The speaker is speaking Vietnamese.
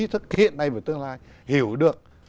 thực hiện nay và tương lai hiểu được